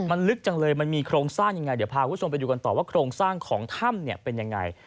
มันลึกจังเลยมันมีโครงสร้างยังไงเดี๋ยวพาคุณผู้ชมไปดูกันต่อว่าโครงสร้างของถ้ำเนี่ยเป็นยังไง